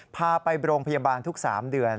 พาไปโรงพยาบาลทุก๓เดือน